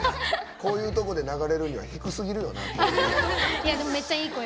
こういうとこで流れるには低すぎるよな、声。